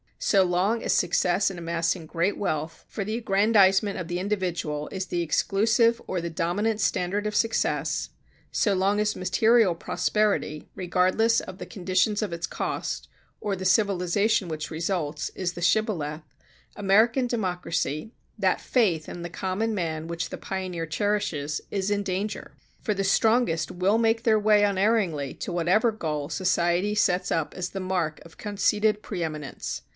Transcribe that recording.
So long as success in amassing great wealth for the aggrandizement of the individual is the exclusive or the dominant standard of success, so long as material prosperity, regardless of the conditions of its cost, or the civilization which results, is the shibboleth, American democracy, that faith in the common man which the pioneer cherishes, is in danger. For the strongest will make their way unerringly to whatever goal society sets up as the mark of conceded preëminence.